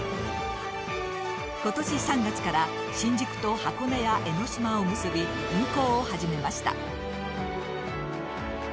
今年３月から新宿と箱根や江の島を結び運行を始めました。